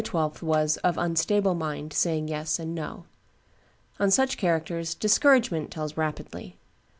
was "of unstable mind, saying yes and no." On such characters discouragement tells rapidly.